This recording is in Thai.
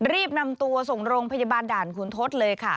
รีบนำตัวส่งโรงพยาบาลด่านขุนทศเลยค่ะ